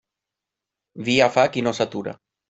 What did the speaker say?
Via fa qui no s'atura.